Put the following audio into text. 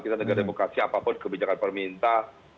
kita negara demokrasi apapun kebijakan pemerintah